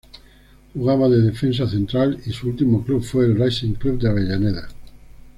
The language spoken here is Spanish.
Jugaba de defensa central y su último club fue el Racing Club de Avellaneda.